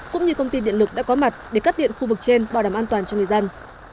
cũng như công ty điện lực đã có mặt để cắt điện khu vực trên bảo đảm an toàn cho người dân